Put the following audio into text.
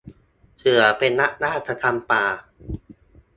เสือเป็นนักล่าประจำป่า